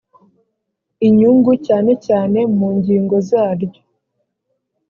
inyungu cyane cyane mu ngingo zaryo